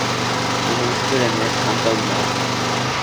El municipio de North Campbell No.